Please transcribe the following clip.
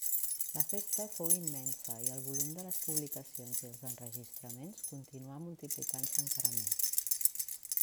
La festa fou immensa i el volum de les publicacions i els enregistraments continuà multiplicant-se encara més.